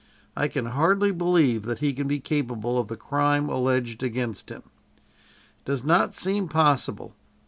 "I can hardly believe that he can be capable of the crime alleged against him. "It does not seem possible.